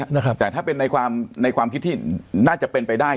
นะครับแต่ถ้าเป็นในความในความคิดที่น่าจะเป็นไปได้